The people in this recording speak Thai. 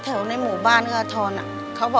ขอบคุณครับ